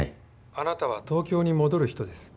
あなたは東京に戻る人です。